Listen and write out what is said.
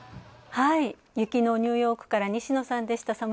雪のニューヨークから西野さんでした。